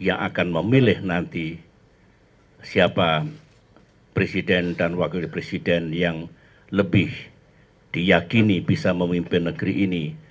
yang akan memilih nanti siapa presiden dan wakil presiden yang lebih diyakini bisa memimpin negeri ini